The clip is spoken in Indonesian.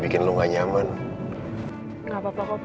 beneran gue sudah hampir berhenti